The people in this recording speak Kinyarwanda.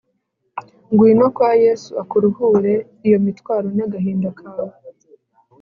ngwino kwa yesu akuruhure iyo mitwaro na gahinda kawe